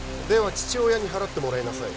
父親に払ってもらいなさい